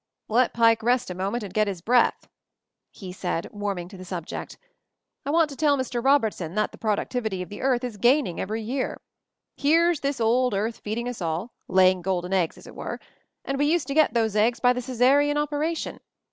"Let Pike rest a moment and get his breath," he said, warming to the subject, "I want to tell Mr. Robertson that the pro ductivity of the earth is gaining every year. Here's this old earth feeding us all — laying golden eggs as it were ; and we used to get those eggs by the Caesarian operation!